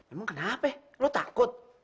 emang kenapa ya lo takut